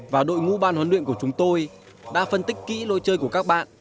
và đội ngũ ban huấn luyện của chúng tôi đã phân tích kỹ lối chơi của các bạn